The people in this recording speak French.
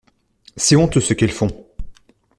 C'est honteux ce qu'elles font.